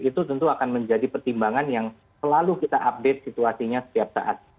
itu tentu akan menjadi pertimbangan yang selalu kita update situasinya setiap saat